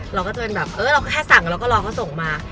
เราก็จะเป็นแบบเออเราแค่สั่งเราก็รอเขาส่งมา